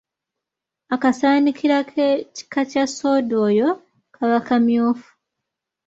Akasaaanikira k’ekika kya soda oyo kaba kamyufu.